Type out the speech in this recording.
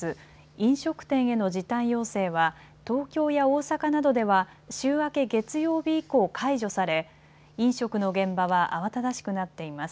飲食店への時短要請は東京や大阪などでは週明け月曜日以降、解除され飲食の現場は慌ただしくなっています。